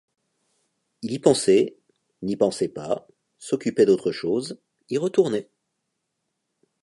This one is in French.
Il y pensait, n’y pensait pas, s’occupait d’autre chose, y retournait.